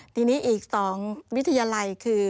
ทีนี้อีก๒วิทยาลัยคือ